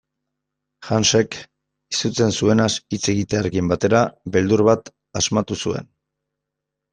Hansek, izutzen zuenaz hitz egitearekin batera, beldur bat asmatu zuen.